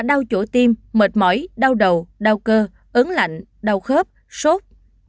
sau chỗ tiêm mệt mỏi đau đầu đau cơ ớn lạnh đau khớp sốt